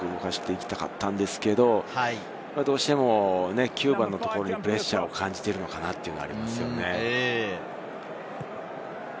うまく動かしていきたかったんですけれど、どうしても、９番のところにプレッシャーを感じているのかなということがありますね。